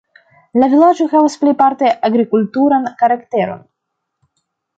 La vilaĝo havas plejparte agrikulturan karakteron.